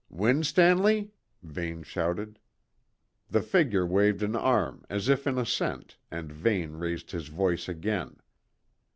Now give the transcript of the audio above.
"Winstanley?" Vane shouted. The figure waved an arm, as if in assent, and Vane raised his voice again.